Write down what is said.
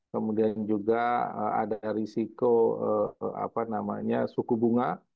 kemudian juga ada risiko suku bunga